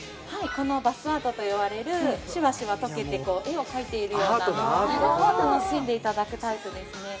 このバスアートといわれるシュワシュワ溶けて絵を描いているような気泡を楽しんでいただくタイプですね